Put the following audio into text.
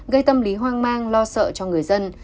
gây tâm lý hoang mang lo sợ cho người dân